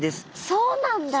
そうなんだ。